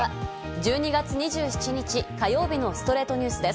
１２月２７日、火曜日の『ストレイトニュース』です。